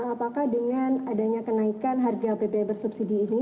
apakah dengan adanya kenaikan harga bbm bersubsidi ini